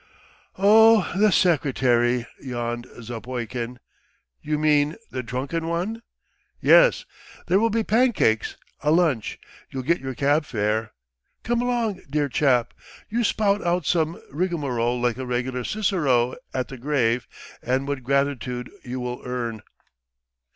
"Oh, the secretary!" yawned Zapoikin. "You mean the drunken one?" "Yes. There will be pancakes, a lunch ... you'll get your cab fare. Come along, dear chap. You spout out some rigmarole like a regular Cicero at the grave and what gratitude you will earn!"